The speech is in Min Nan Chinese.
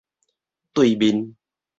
對面